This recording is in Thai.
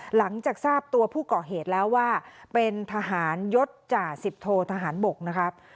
หลังจากทราบตัวผู้ก่อเหตุแล้วว่าเป็นทหารยศจ่าสิบโททหารบกนะครับ